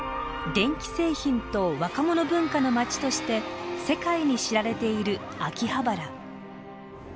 電気製品と若者文化の街として世界に知られている秋葉原。